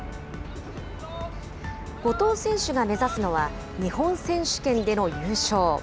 後藤選手が目指すのは、日本選手権での優勝。